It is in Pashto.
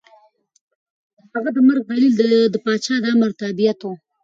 د هغه د مرګ دلیل د پاچا د امر تابعیت و.